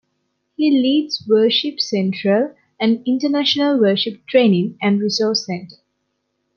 He leads Worship Central, an international worship training and resource centre.